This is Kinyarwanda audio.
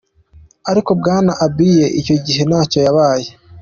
Ariko Bwana Abiy icyo gihe ntacyo yabaye.